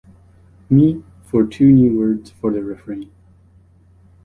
Me, for two new words for the refrain.